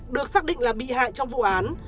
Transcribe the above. được xác định là bị hại trong vụ án